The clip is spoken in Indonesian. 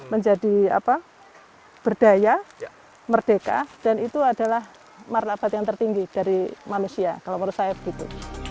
menjadi apa berdaya merdeka dan itu adalah martabat yang tertinggi dari manusia kalau menurut saya begitu